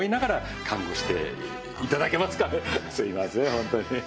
すいません本当に。